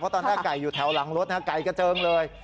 ตอนแรกไก่อยู่แถวหลังรถไก่กระเจิงเลย